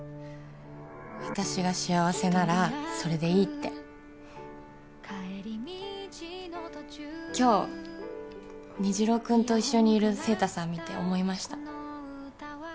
私が幸せならそれでいいって今日虹朗君と一緒にいる晴太さん見て思いました